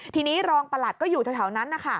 ทีนี้รองประหลัดก็อยู่แถวนั้นนะคะ